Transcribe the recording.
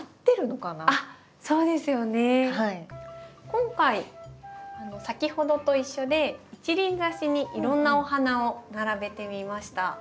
今回先ほどと一緒で一輪挿しにいろんなお花を並べてみました。